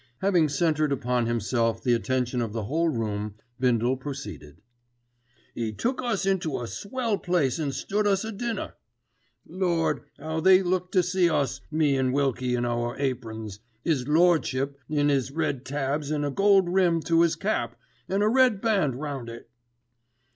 Having centred upon himself the attention of the whole room Bindle proceeded, "'E took us into a swell place an' stood us a dinner. Lord, 'ow they did look to see us, me an' Wilkie in our aprons, 'is Lordship in 'is red tabs an' a gold rim to 'is cap, an' a red band round it."